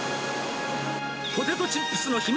ポテトチップスの秘密